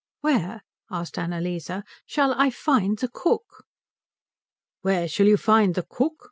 "Where," asked Annalise, "shall I find the cook?" "Where shall you find the cook?"